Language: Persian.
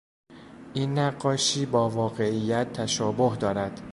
این نقاشی با واقعیت تشابه دارد.